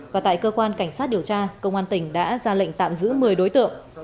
và tại cơ quan cảnh sát điều tra công an tỉnh đã ra lệnh tạm giữ một mươi đối tượng